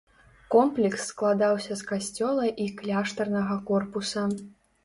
Комплекс складаўся з касцёла і кляштарнага корпуса.